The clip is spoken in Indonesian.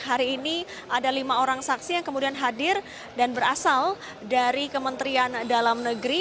hari ini ada lima orang saksi yang kemudian hadir dan berasal dari kementerian dalam negeri